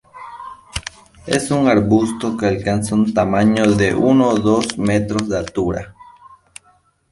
Es un arbusto que alcanza un tamaño de uno o dos metros de altura.